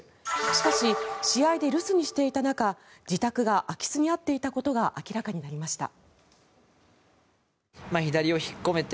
しかし、試合で留守にしていた中自宅が空き巣に遭っていたことが明らかになりました。